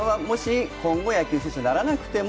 今後、野球選手にならなくても？